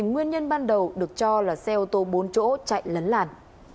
nguyên nhân ban đầu được cho là xe ô tô bốn chỗ chạy lấn làn